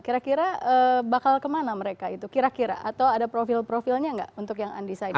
kira kira bakal kemana mereka itu kira kira atau ada profil profilnya nggak untuk yang undecided